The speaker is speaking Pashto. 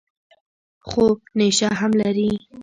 خو نېشه هم لري.